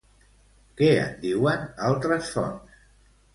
Què en diuen altres fonts?